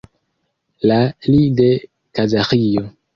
La li de Kazaĥio.